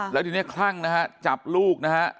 แล้วทีนี้คลั่งนะฮะจับลูกนะฮะ